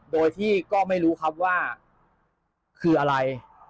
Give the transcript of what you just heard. โดยที่ก็ไม่รู้ว่าขึ้นอะไร